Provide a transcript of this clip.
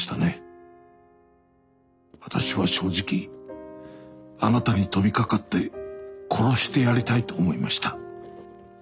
「私は正直あなたに飛びかかって殺してやりたいと思いました。